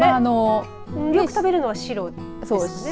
よく食べるのは白ですね。